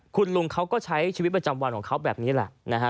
คุณลุงเขาก็ใช้ชีวิตประจำวันของเขาแบบนี้แหละนะฮะ